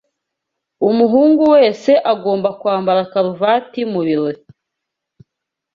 Umuhungu wese agomba kwambara karuvati mubirori.